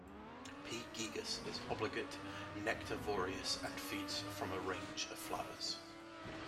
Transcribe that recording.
"P. gigas" is obligate nectarvorious and feeds from a range of flowers.